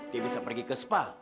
dia bisa pergi ke spa